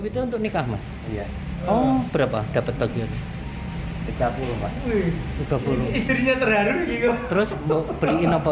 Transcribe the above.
terus beliin apa